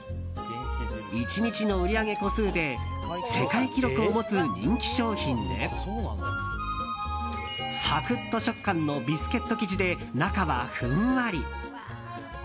１日の売り上げ個数で世界記録を持つ人気商品でサクッと食感のビスケット生地で中はふんわり。